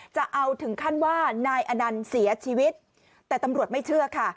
ถึงขั้นว่านายอนันต์เสียชีวิตแต่ตำรวจไม่เชื่อค่ะ